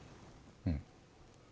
うん。